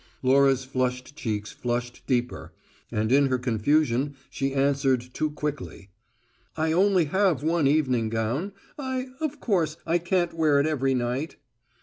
Laura's flushed cheeks flushed deeper, and in her confusion she answered too quickly. "I only have one evening gown. I of course I can't wear it every night."